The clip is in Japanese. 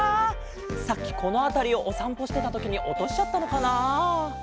さっきこのあたりをおさんぽしてたときにおとしちゃったのかな。